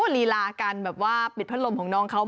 ลีลาการแบบว่าปิดพัดลมของน้องเขา